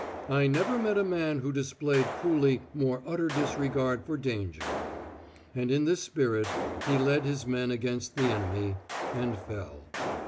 "I never met a man who displayed coolly more utter disregard for danger." And in this spirit he led his men against the enemy and fell.